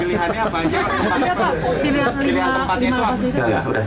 pilihan tempat itu apa